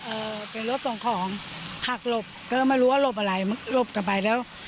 เอ่อเป็นรถส่งของหักหลบก็ไม่รู้ว่าหลบอะไรหลบกลับไปแล้ว